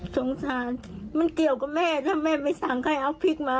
สงสารมันเกี่ยวกับแม่ถ้าแม่ไม่สั่งใครเอาพริกมา